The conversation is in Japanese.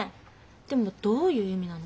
でもどういう意味なの？